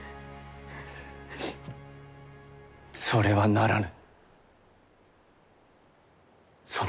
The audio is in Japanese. それはならぬ。